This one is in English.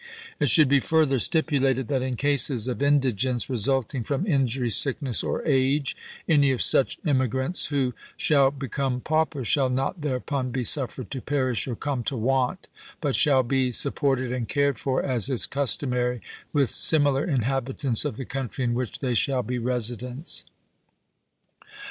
It should be further stipu lated that in cases of indigence resulting from in jury, sickness, or age, any of such emigrants who shall become paupers shall not thereupon be suf fered to perish or come to want, but shall be sup ported and cared for as is customary with similar inhabitants of the country in which they shall be residents."